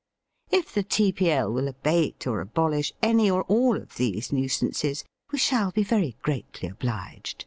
If the T. P. L. will abate or abolish any or all of these nuisances we shall be very greatly obliged.